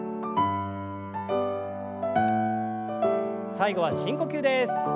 最後は深呼吸です。